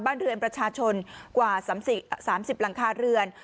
บ้านเรือนประชาชนกว่า๓๐หลังคาเรือน